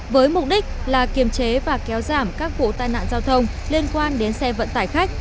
với mục đích là kiềm chế và kéo giảm các vụ tai nạn giao thông liên quan đến xe vận tải khách